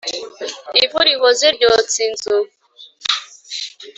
Ivu rihoze ryotsa inzu.